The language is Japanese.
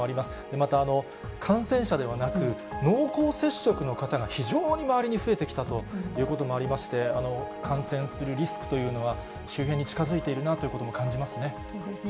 また感染者ではなく、濃厚接触の方が非常に周りに増えてきたということもありまして、感染するリスクというのは、周辺に近づいているなということも感じますね。